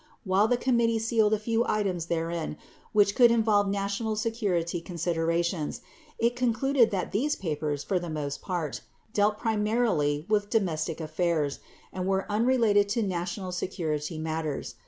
While the committee sealed a few items there in, which could involve national security considerations, it concluded that these papers, for the most part, dealt primarily with domestic affairs and were unrelated to national security matters.